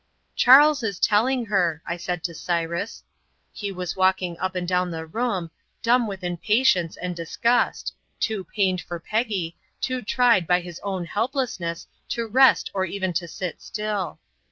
"Charles is telling her," I said to Cyrus. He was walking up and down the room, dumb with impatience and disgust, too pained for Peggy, too tried by his own helplessness to rest or even to sit still.